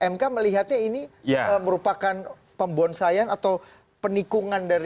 mk melihatnya ini merupakan pembonsaian atau penikungan dari